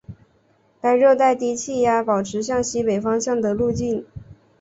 该热带低气压保持向西北方向的路径。